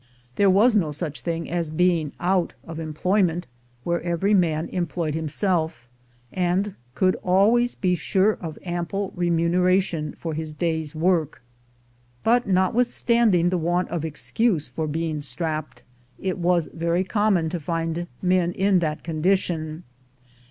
There was no such thing as being out of em ployment, where every man employed himself, and could always be sure of ample remuneration for his day's work. But notwithstanding the want of excuse for being "strapped," it was very common to find men in that condition.